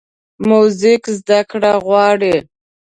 موزیک زدهکړه غواړي.